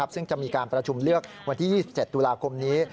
ซึ่งจะมีการประชุมเลือกวันที่๒๗ตุลาคมนี้